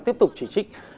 tiếp tục chỉ trích